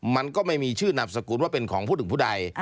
มันก็ไม่มีชื่อนามสกุลว่าเป็นของผู้หนึ่งผู้ใด